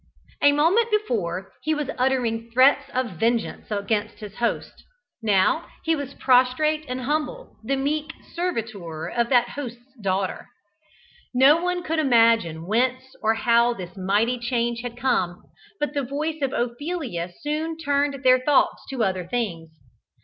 A moment before, he was uttering threats of vengeance against his host; now, he was prostrate and humble, the meek servitor of that host's daughter. No one could imagine whence or how this mighty change had come, but the voice of Ophelia soon turned their thoughts to other things.